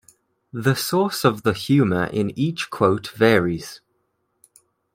The source of the humor in each quote varies.